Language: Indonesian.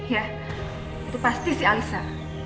ya itu pasti si alsa